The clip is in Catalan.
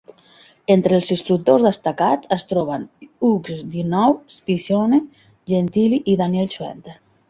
Entre els instructors destacats es troben Hugues Doneau, Scipione Gentili i Daniel Schwenter.